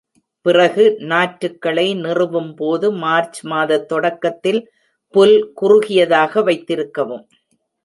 பிறகு, நாற்றுக்களை நிறுவும்போது, மார்ச் மாத தொடக்கத்தில் புல் குறுகியதாக வைத்திருக்கவும்.